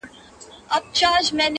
• د وطن را باندي پروت یو لوی احسان دی..